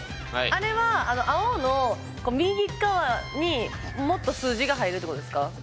あれは青の右っかわにもっと数字が入るっていうことですか？